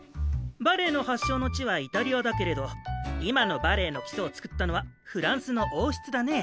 バレエの発祥の地はイタリアだけれど今のバレエの基礎を作ったのはフランスの王室だね。